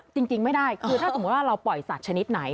จริงไม่ได้คือถ้าสมมุติว่าเราปล่อยสัตว์ชนิดไหน